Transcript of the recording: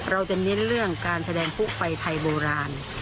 เน้นเรื่องการแสดงผู้ไฟไทยโบราณ